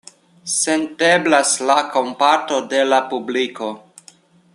Senteblas la kompato de la publiko.